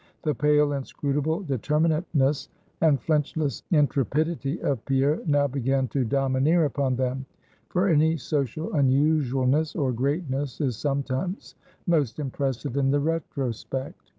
The pale, inscrutable determinateness, and flinchless intrepidity of Pierre, now began to domineer upon them; for any social unusualness or greatness is sometimes most impressive in the retrospect.